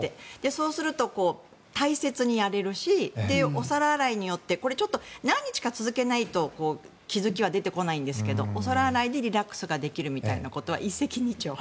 そうすると、大切にやれるしお皿洗いによってこれはちょっと何日か続けないと気付きは出てこないんですがお皿洗いでリラックスできるみたいなことは一石二鳥。